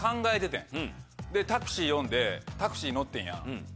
タクシー呼んでタクシー乗ってんや。